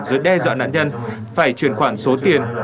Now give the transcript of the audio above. dưới đe dọa nạn nhân phải truyền khoản số tiền